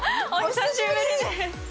久しぶり。